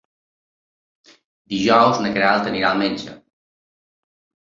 Dijous na Queralt anirà al metge.